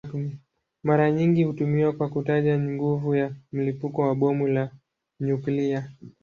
Mara nyingi hutumiwa kwa kutaja nguvu ya mlipuko wa bomu la nyuklia.